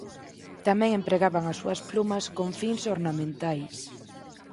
Tamén empregaban as súas plumas con fins ornamentais.